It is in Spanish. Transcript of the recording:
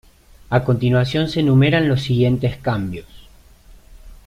A continuación se enumeran los siguientes cambios.